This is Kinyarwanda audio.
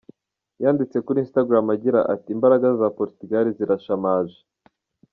Yanditse kuri Instagram agira ati "Imbaraga za Portugal zirashamaje.